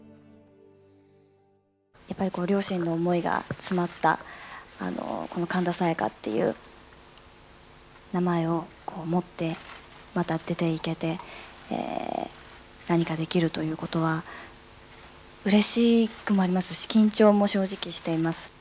やっぱり両親の思いが詰まったこの神田沙也加っていう名前をもってまた出ていけて、何かできるということは、うれしくもありますし、緊張も正直しています。